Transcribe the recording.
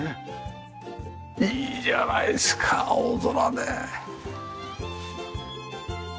いいじゃないですか青空で。